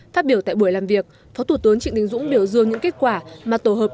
phát biểu tại buổi làm việc phó thủ tướng trịnh đình dũng biểu dương những kết quả mà tổ hợp